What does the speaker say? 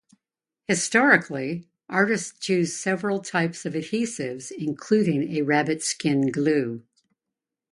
Historically, artists used several types of adhesives including a rabbit-skin glue.